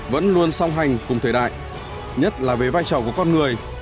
vẫn luôn song hành cùng thời đại nhất là về vai trò của con người